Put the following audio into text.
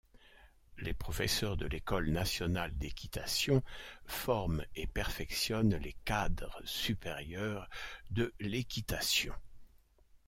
Les professeurs de l'École nationale d'équitation forment et perfectionnent les cadres supérieurs de l'équitation.